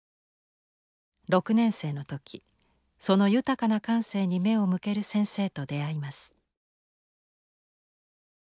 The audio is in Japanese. ６年生の時その豊かな感性に目を向ける先生と出会います。